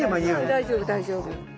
大丈夫大丈夫。